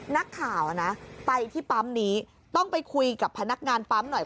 นักข่าวนะไปที่ปั๊มนี้ต้องไปคุยกับพนักงานปั๊มหน่อย